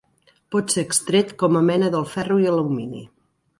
Pot ser extret com a mena del ferro i alumini.